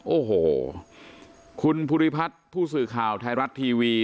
โอ้โหคุณภูริพัฒน์ผู้สื่อข่าวไทยรัฐทีวี